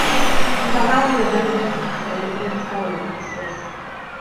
Nofel am fyfyrwyr sy'n cychwyn yn y brifysgol yn Aberystwyth.